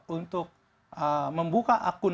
untuk membuka akun